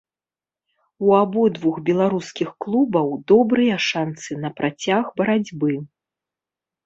У абодвух беларускіх клубаў добрыя шанцы на працяг барацьбы.